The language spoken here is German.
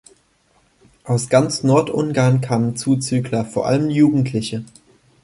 Aus ganz Nordungarn kamen Zuzügler, vor allem Jugendliche.